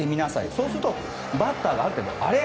そうするとバッターがあれ？